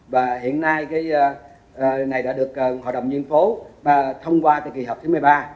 và hiện nay cái này đã được hội đồng nhân phố thông qua cái kỳ họp thứ một mươi ba